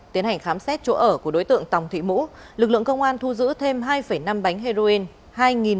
tiến hành khám xét chỗ ở của đối tượng tòng thị mũ lực lượng công an thu giữ thêm hai năm bánh heroin